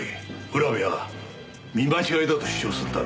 浦部は見間違いだと主張するだろう。